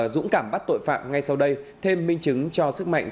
dũng cảm bắt tội phạm ngay sau đây thêm minh chứng cho sức mạnh